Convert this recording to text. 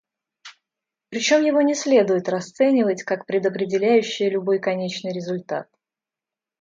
Причем его не следует расценивать как предопределяющее любой конечный результат.